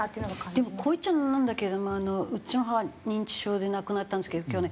でもこう言っちゃなんなんだけれどもうちの母認知症で亡くなったんですけど去年。